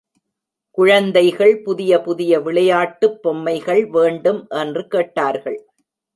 குழந்தைகள் புதிய புதிய விளையாட்டுப் பொம்மைகள் வேண்டும் என்று கேட்டார்கள்.